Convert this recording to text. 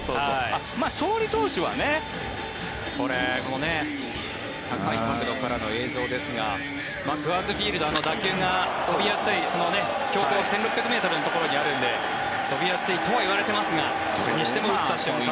まあ、勝利投手はね。これは高い角度からの映像ですがクアーズ・フィールドは打球が飛びやすい標高１６００ｍのところにあるので飛びやすいとはいわれていますがそれにしても打った瞬間という。